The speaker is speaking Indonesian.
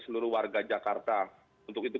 seluruh warga jakarta untuk itu